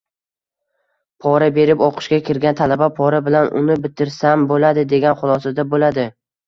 Pora berib oʻqishga kirgan talaba pora bilan uni bitirsam boʻladi, degan xulosada boʻladi.